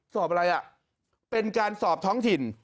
สอบอะไรอ่ะเป็นการสอบท้องถิ่น